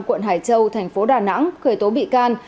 quận hải châu tp đà nẵng khởi tố bị can